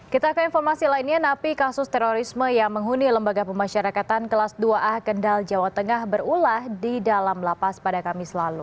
kita ke informasi lainnya napi kasus terorisme yang menghuni lembaga pemasyarakatan kelas dua a kendal jawa tengah berulah di dalam lapas pada kamis lalu